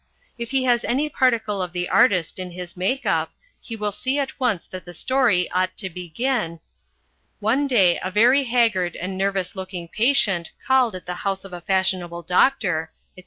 If he has any particle of the artist in his make up, he will see at once that the story ought to begin: "One day a very haggard and nervous looking patient called at the house of a fashionable doctor, etc.